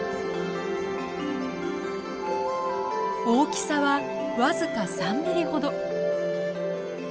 大きさは僅か３ミリほど。